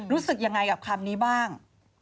รู้สึกยังไงกับคำนี้บ้าง